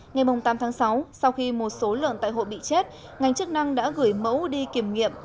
ngày tám tháng sáu sau khi một số lợn tại hộ bị chết ngành chức năng đã gửi mẫu đi kiểm nghiệm